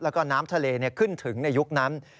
แล้วก็น้ำทะเลขึ้นถึงในยุคนั้น